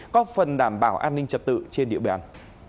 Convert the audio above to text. có phần đảm bảo an ninh trật tự trên địa bàn